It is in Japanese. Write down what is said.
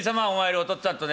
お父っつぁんとね。